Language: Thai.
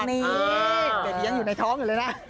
นี่เด็กที่ยังอยู่ในท้องอยู่เลยนะ